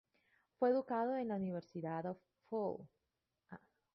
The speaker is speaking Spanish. Fue educado en la University of Hull.